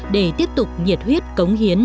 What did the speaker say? để tiếp tục nhiệt huyết cống hiến